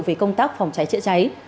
về công tác phòng cháy chữa cháy